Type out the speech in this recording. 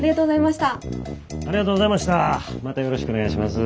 またよろしくお願いします。